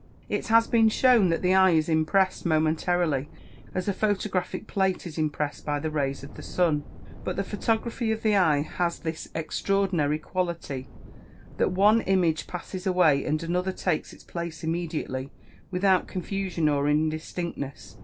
It has been shown that the eye is impressed momentarily, as a photographic plate is impressed by the rays of the sun. But the photography of the eye has this extraordinary quality that one image passes away, and another takes its place immediately, without confusion or indistinctness.